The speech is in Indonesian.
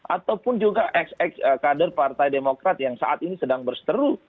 ataupun juga ex ex kader partai demokrat yang saat ini sedang berseteru